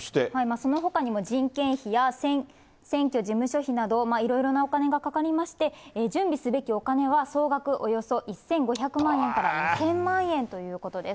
そのほかにも人件費や選挙事務所費など、いろいろなお金がかかりまして、準備すべきお金は、総額およそ１５００万円から２０００万円ということです。